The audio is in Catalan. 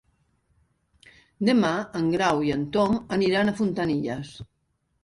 Demà en Grau i en Tom aniran a Fontanilles.